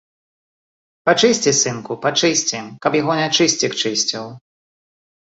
Пачысці, сынку, пачысці, каб яго нячысцік чысціў.